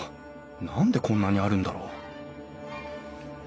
何でこんなにあるんだろう？